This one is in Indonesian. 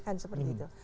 kan seperti itu